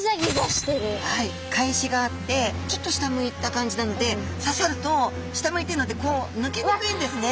かえしがあってちょっと下向いた感じなので刺さると下向いてるので抜けにくいんですね。